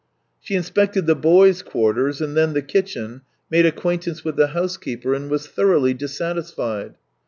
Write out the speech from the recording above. She inspected the boys' quarters, and then the kitchen, made acquaintance with the housekeeper, and was thoroughly dissatisfied.